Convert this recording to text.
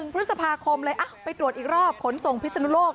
พฤษภาคมเลยไปตรวจอีกรอบขนส่งพิศนุโลก